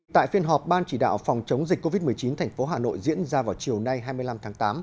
tại phiên họp ban chỉ đạo phòng chống dịch covid một mươi chín tp hà nội diễn ra vào chiều nay hai mươi năm tháng tám